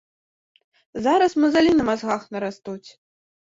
Зараз мазалі на мазгах нарастуць.